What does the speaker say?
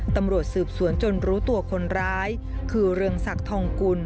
ตำรวจสืบสวนจนรู้ตัวคนร้ายคือเรืองศักดิ์ทองกุล